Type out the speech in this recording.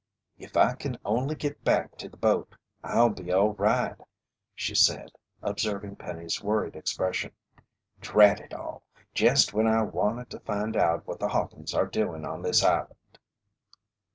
"If I kin only git back to the boat, I'll be all right," she said, observing Penny's worried expression. "Drat it all! Jest when I wanted to find out what the Hawkins' are doin' on this island!"